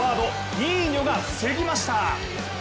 ニーニョが防ぎました。